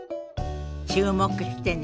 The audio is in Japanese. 注目してね。